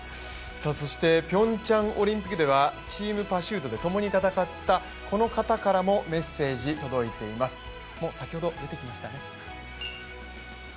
ピョンチャンオリンピックではチームパシュートでともに戦ったこの方からもメッセージ届いています。